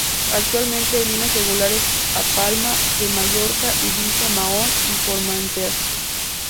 Actualmente, hay líneas regulares a Palma de Mallorca, Ibiza, Mahón y Formentera.